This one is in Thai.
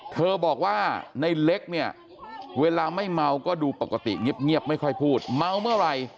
เธอบอกว่าในเล็กเนี่ยเวลาไม่เมาก็ดูปกติเงียบไม่ค่อยพูดเมาเมื่อไหร่